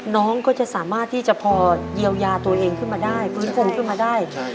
น้องก็จะสามารถที่จะพอเยียวยาตัวเองขึ้นมาได้ฟื้นฟูมขึ้นมาได้